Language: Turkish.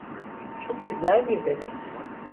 Çok güzel bir bebek.